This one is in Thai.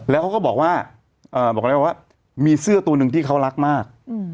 แล้วเขาก็บอกว่ามีเสื้อตัวนึงที่เขารักมาก